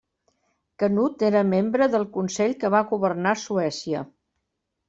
Canut era membre del consell que va governar Suècia.